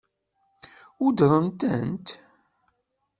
Weddṛent-tent?